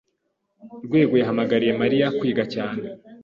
Rwego yahamagariye Mariya kwiga cyane.